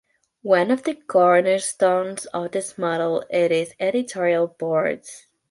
One of the cornerstones of this model is its editorial boards.